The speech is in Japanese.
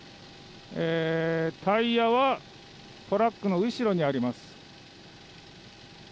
タイヤはトラックの後ろにあります。